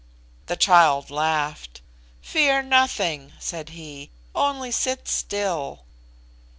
The child laughed. "Fear nothing," said he; "only sit still."